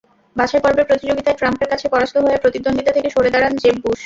বাছাইপর্বের প্রতিযোগিতায় ট্রাম্পের কাছে পরাস্ত হয়ে প্রতিদ্বন্দ্বিতা থেকে সরে দাঁড়ান জেব বুশ।